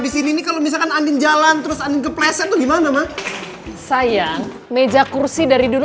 di sini kalau misalkan andi jalan terus anggap lesen gimana mah sayang meja kursi dari dulu